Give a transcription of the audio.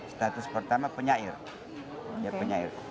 status pertama penyair